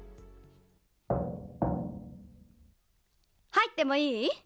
・はいってもいい？